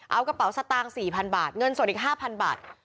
เอากระเป๋าสตางค์๔๐๐บาทเงินสดอีก๕๐๐บาท